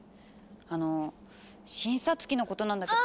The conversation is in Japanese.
あの診察機のことなんだけど。